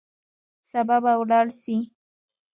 سبا به ولاړ سئ.